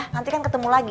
nanti kan ketemu lagi